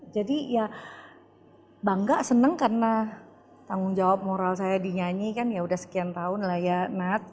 jadi ya bangga senang karena tanggung jawab moral saya dinyanyikan ya udah sekian tahun lah ya nat